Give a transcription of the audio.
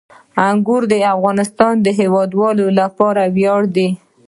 انګور د افغانستان د هیوادوالو لپاره ویاړ دی.